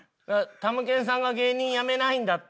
たむけんさんが芸人辞めないんだってよ。